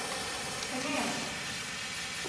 — Кынел!..